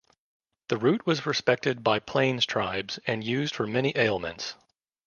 The root was respected by Plains tribes and used for many ailments.